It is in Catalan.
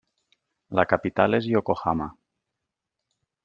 La capital és Yokohama.